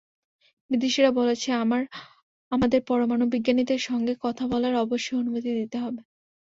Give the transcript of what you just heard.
বিদেশিরা বলেছে, আমাদের পরমাণুবিজ্ঞানীদের সঙ্গে কথা বলার অবশ্যই অনুমতি দিতে হবে।